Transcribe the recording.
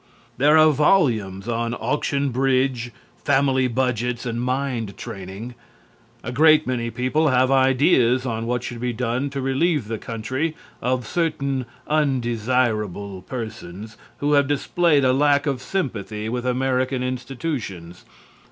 There are volumes on auction bridge, family budgets and mind training. A great many people have ideas on what should be done to relieve the country of certain undesirable persons who have displayed a lack of sympathy with American institutions.